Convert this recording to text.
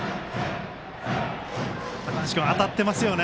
高橋君、当たってますね。